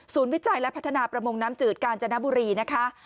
วิจัยและพัฒนาประมงน้ำจืดกาญจนบุรีนะคะ